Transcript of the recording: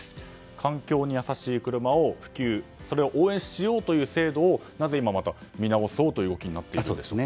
環境に優しい車を普及それを応援しようという制度をなぜ今、見直す動きになっているんですか？